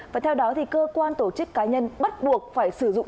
và theo đó thì cơ quan tổ chức cá nhân bắt buộc phải sử dụng